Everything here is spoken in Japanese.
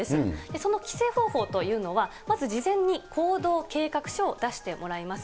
その規制方法というのは、まず事前に行動計画書を出してもらいます。